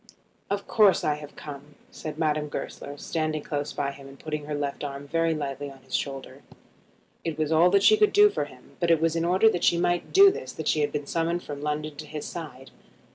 "Of course I have come," said Madame Goesler, standing close by him and putting her left arm very lightly on his shoulder. It was all that she could do for him, but it was in order that she might do this that she had been summoned from London to his side.